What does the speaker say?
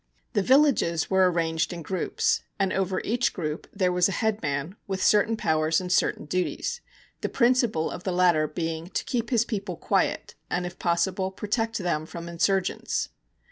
The villages were arranged in groups, and over each group there was a headman with certain powers and certain duties, the principal of the latter being to keep his people quiet, and, if possible, protect them from insurgents.